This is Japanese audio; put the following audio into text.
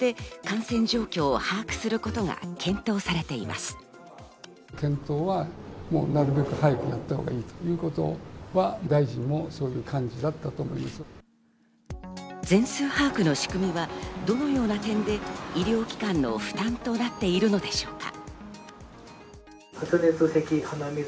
全数把握の仕組みはどのような点で医療機関の負担となっているのでしょうか。